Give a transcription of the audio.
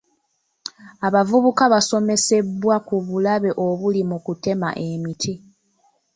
Abavubuka baasomesebwa ku bulabe obuli mu kutema emiti.